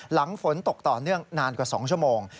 หลังฝนตกต่อเนื่องนานกว่า๒ชั่วโมง